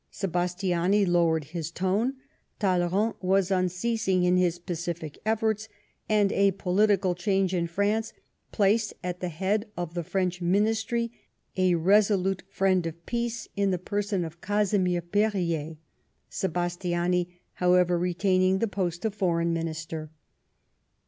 Sebastiani lowered his tone, Talleyrand was unceasing in his pacific efforts, and a political change in France placed at the head of the French Ministry a resolute friend of peace in the person of Casimir P6rier ; Sebastiani, however, retaining the post of Foreign Minister.